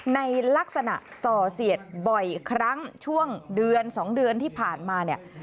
ในลักษณะส่อเสียดบ่อยครั้งช่วงเดือน๒เดือนที่ผ่านมาเนี่ย